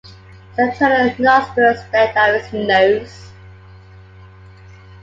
Its external nostrils stand out its nose.